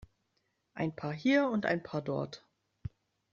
Ein paar hier und ein paar dort.